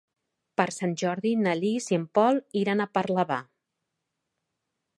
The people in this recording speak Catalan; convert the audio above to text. Per Sant Jordi na Lis i en Pol iran a Parlavà.